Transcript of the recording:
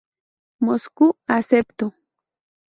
Moscú acepto.